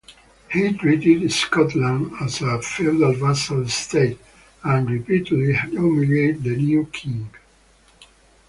He treated Scotland as a feudal vassal state and repeatedly humiliated the new king.